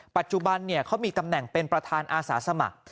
ปัจจุบันเขามีตำแหน่งเป็นประธานอาสาสมัคร